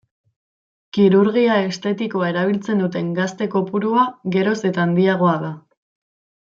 Kirurgia estetikoa erabiltzen duten gazte kopurua geroz eta handiagoa da.